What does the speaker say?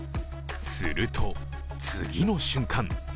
すると、次の瞬間。